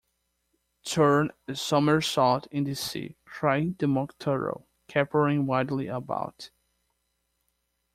‘Turn a somersault in the sea!’ cried the Mock Turtle, capering wildly about.